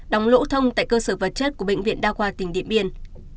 đóng lỗ thông tại cơ sở vật chất của bệnh viện đa khoa tỉnh điện biên